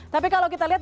tapi kalau kita lihat